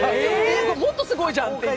もっとすごいじゃんっていう。